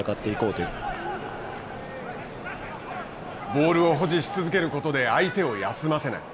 ボールを保持し続けることで相手を休ませない。